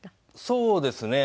そうですね。